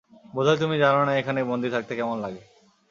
বোধহয় তুমি জানো না এখানে বন্দী থাকতে কেমন লাগে।